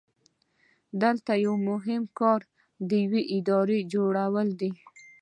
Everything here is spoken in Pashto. دلته یو مهم کار د یوې ادارې جوړول دي.